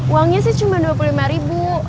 uangnya sih cuma dua puluh lima ribu